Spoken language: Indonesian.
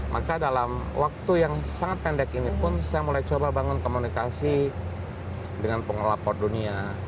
maka dalam waktu yang sangat pendek ini pun saya mulai coba bangun komunikasi dengan pengelola port dunia